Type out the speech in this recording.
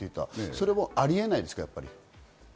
それはあり得ないですか？